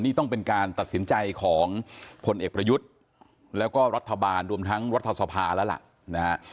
นี่ต้องเป็นการตัดสินใจของพลเอกประยุทธ์แล้วก็รัฐบาลรวมทั้งรัฐสภาแล้วล่ะนะฮะ